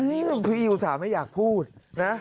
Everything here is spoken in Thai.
อื้อพี่อิวสาไม่อยากพูดนะ